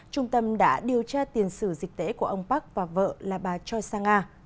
trung tâm đã điều tra tiền sử dịch tễ của ông park và vợ là bà choi sang nga